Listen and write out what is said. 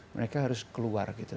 mereka harus keluar gitu